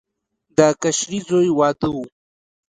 د کشري زوی واده و.